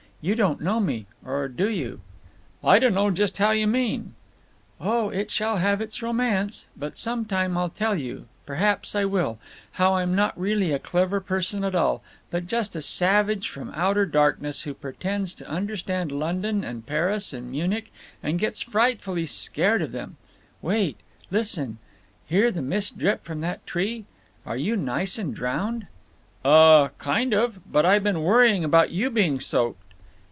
You don't know me. Or do you?" "I dunno just how you mean." "Oh, it shall have its romance! But some time I'll tell you—perhaps I will—how I'm not really a clever person at all, but just a savage from outer darkness, who pretends to understand London and Paris and Munich, and gets frightfully scared of them…. Wait! Listen! Hear the mist drip from that tree. Are you nice and drowned?" "Uh—kind of. But I been worrying about you being soaked."